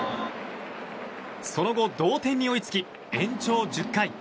その後、同点に追いつき延長１０回。